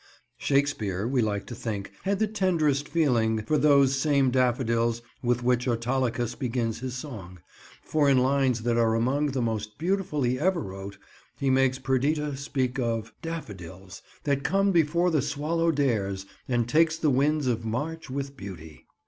Shakespeare, we like to think, had the tenderest feeling for those same daffodils with which Autolycus begins his song; for in lines that are among the most beautiful he ever wrote, he makes Perdita speak of— "Daffodils, That come before the swallow dares, and take The winds of March with beauty."